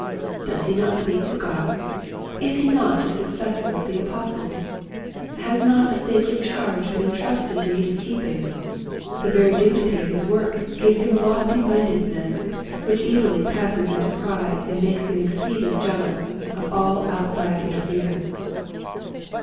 Does he not speak for God } Is he not a successor of the Apostles } Has not a sacred charge been entrusted to his keeping } The very dignity of his work gives him a lofty mindedness which easily passes into pride and makes him exceeding jealous of all outside inter ference.